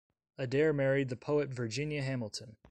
Adair married the poet Virginia Hamilton.